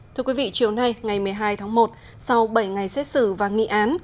thưa quý vị chiều nay ngày một mươi hai tháng một sau bảy ngày xét xử và nghị án